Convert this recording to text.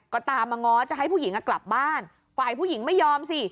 ก็ตามมาง้อจะให้ผู้หญิงกลับบ้านฝ่ายผู้หญิงไม่ยอมสิ